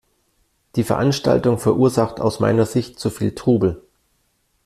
Die Veranstaltung verursacht aus meiner Sicht zu viel Trubel.